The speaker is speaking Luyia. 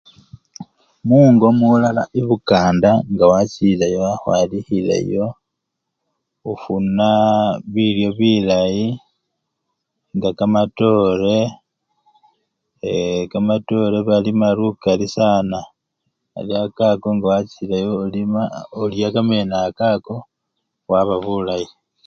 Mungo mulala ebukanda nga wachileyo wakhwalikhileyo, ofuna bilyo bilayi nga kamatore, ee! kamatore balima lukali sana sana, ari akako nga wachileyo olima! olya kamene akako.